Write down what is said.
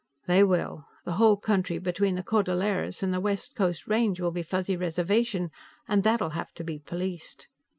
"They will. The whole country between the Cordilleras and the West Coast Range will be Fuzzy Reservation and that'll have to be policed.